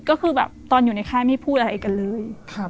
ก็คือแบบตอนอยู่ในค่ายไม่พูดอะไรกันเลย